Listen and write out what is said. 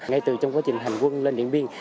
ngay từ trong quá trình hành quân lên điện biên